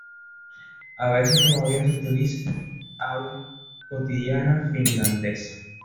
A veces todavía se utiliza en el habla cotidiana finlandesa.